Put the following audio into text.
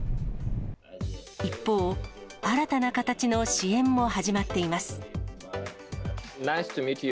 一方、新たな形の支援も始まっています。